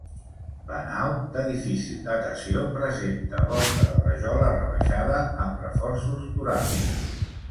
La nau, de difícil datació, presenta volta de rajola rebaixada amb reforços torals.